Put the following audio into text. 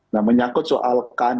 nah menyangkut soalkan